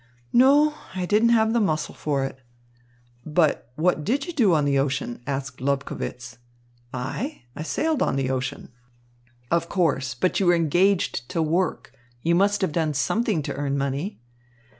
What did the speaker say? "No, I didn't have the muscle for it." "But what did you do on the ship?" asked Lobkowitz. "I? I sailed on the ocean." "Of course. But you were engaged to work. You must have done something to earn money."